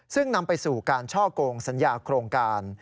ซึ่งนำไปสู่การช่อกงสัญญาโครงการ